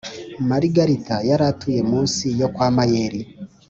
Marigarigarita yaratuye munsi yo kwamayeli